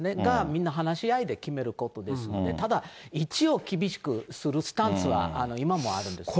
みんな話し合いで決めることですので、ただ、一応厳しくするスタンスは、今もあるんですね。